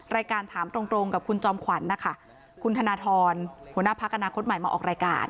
รายการถามตรงตรงกับคุณจอมขวัญนะคะคุณธนทรหัวหน้าพักอนาคตใหม่มาออกรายการ